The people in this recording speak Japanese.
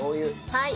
はい。